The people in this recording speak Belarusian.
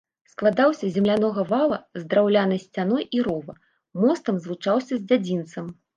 Складаўся з землянога вала з драўлянай сцяной і рова, мостам злучаўся з дзядзінцам.